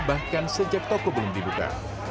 bahkan sejak toko belum dibuka